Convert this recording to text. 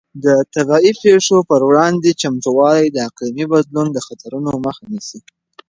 د طبیعي پېښو پر وړاندې چمتووالی د اقلیمي بدلون د خطرونو مخه نیسي.